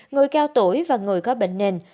người cao tuổi và người có bệnh nền